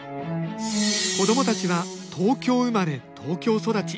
子どもたちは東京生まれ東京育ち。